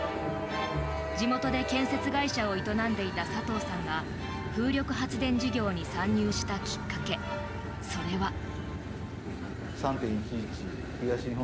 地元で建設会社を営んでいた佐藤さんが風力発電事業に参入したきっかけそれは。